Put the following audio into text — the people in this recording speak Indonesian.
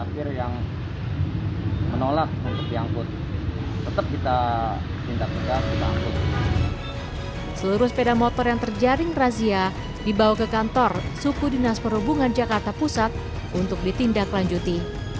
seluruh sepeda motor yang terjaring razia dibawa ke kantor suku dinas perhubungan jakarta pusat untuk ditindaklanjuti